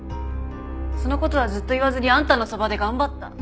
その事はずっと言わずにあんたのそばで頑張った。